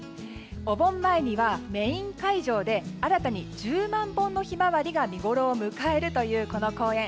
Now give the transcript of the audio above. お盆前にはメイン会場で新たに１０万本のヒマワリが見ごろを迎えるというこの公園。